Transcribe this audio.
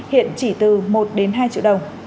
hiện chỉ từ một đến hai triệu đồng